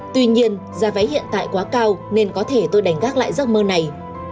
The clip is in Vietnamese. tuy nhiên giá vé hiện tại quá cao nên có thể tôi đánh gác lại giấc mơ này